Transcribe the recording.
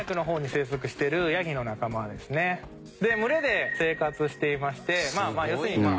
群れで生活していまして要するにまあ